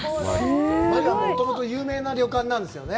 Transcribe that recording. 真里はもともと有名な旅館なんですよね。